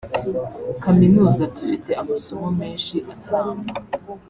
“Kaminuza dufite amasomo menshi atangwa